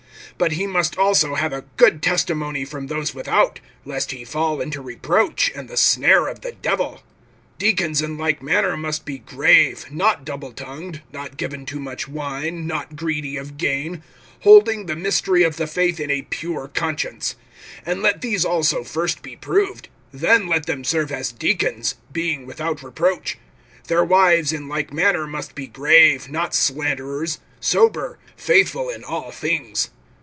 (7)But he must also have a good testimony from those without, lest he fall into reproach and the snare of the Devil. (8)Deacons in like manner must be grave, not double tongued, not given to much wine, not greedy of gain; (9)holding the mystery of the faith in a pure conscience. (10)And let these also first be proved; then let them serve as deacons, being without reproach. (11)[Their] wives in like manner must be grave, not slanderers, sober, faithful in all things.